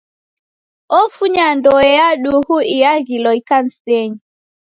Ofunya ndoe ya duhu iaghilo ikanisa.